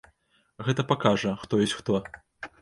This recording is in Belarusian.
Гэта пакажа, хто ёсць хто.